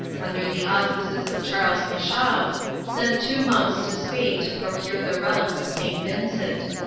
II] THE MOZARABES 47 of Charles le Chauve, sent two monks to Spain to procure the relics of St. Vincent.